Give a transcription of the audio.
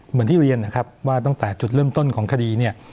เหมือนที่เรียนนะครับว่าตั้งแต่จุดเริ่มต้นของคดีเนี่ย